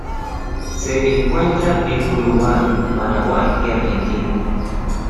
Se encuentra en Uruguay, Paraguay y Argentina.